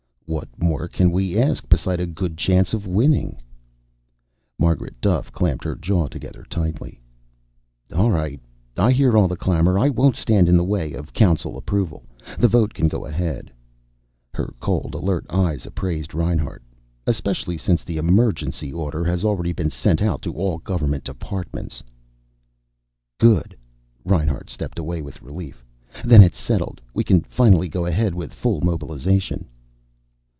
"What more can we ask, beside a good chance of winning?" Margaret Duffe clamped her jaw together tightly. "All right. I hear all the clamor. I won't stand in the way of Council approval. The vote can go ahead." Her cold, alert eyes appraised Reinhart. "Especially since the emergency order has already been sent out to all Government departments." "Good." Reinhart stepped away with relief. "Then it's settled. We can finally go ahead with full mobilization."